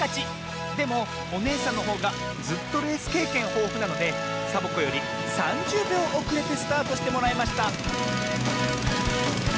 でもおねえさんのほうがずっとレースけいけんほうふなのでサボ子より３０びょうおくれてスタートしてもらいました